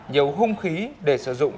nhiều hung khí để sử dụng